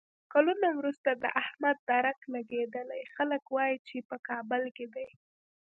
کلونه ورسته د احمد درک لګېدلی، خلک وایي چې په کابل کې دی.